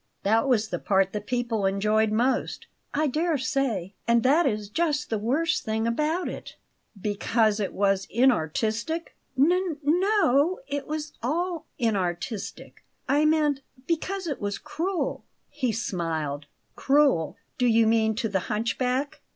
"That was the part the people enjoyed most." "I dare say; and that is just the worst thing about it." "Because it was inartistic?" "N no; it was all inartistic. I meant because it was cruel." He smiled. "Cruel? Do you mean to the hunchback?"